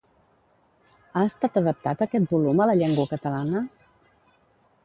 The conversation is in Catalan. Ha estat adaptat aquest volum a la llengua catalana?